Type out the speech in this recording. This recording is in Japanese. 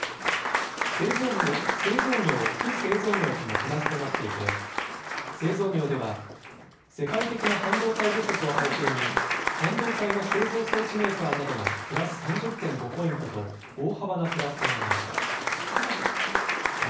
製造業、非製造業ともプラスとなっていて製造業では世界的な半導体不足を背景に半導体の製造装置メーカーなどがプラス３０．５ポイントと大幅なプラスとなりました。